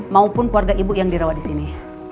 maupun keluarga ibu yang dirawat disini